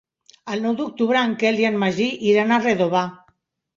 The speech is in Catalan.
El nou d'octubre en Quel i en Magí iran a Redovà.